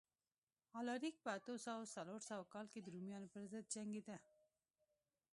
الاریک په اتو او څلور سوه کال کې د رومیانو پرضد جنګېده